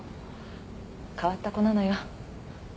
変わった子なのよ。